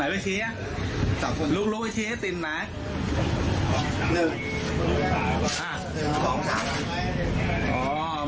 ไหนวิทีฮะลุกลุกวิทีให้ทินไหมหนึ่งแบบนี้